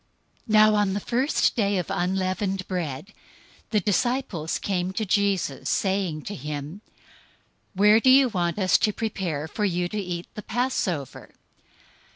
026:017 Now on the first day of unleavened bread, the disciples came to Jesus, saying to him, "Where do you want us to prepare for you to eat the Passover?"